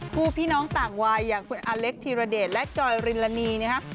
ผู้พี่น้องต่างวายอย่างคุณอเล็กธีรเดชและจอยริลานีนะครับ